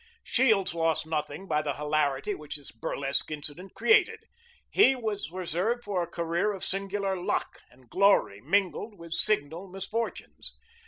Shields lost nothing by the hilarity which this burlesque incident created. He was reserved for a career of singular luck and glory mingled with signal misfortunes.